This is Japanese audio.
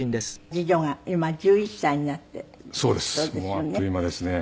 あっという間ですね。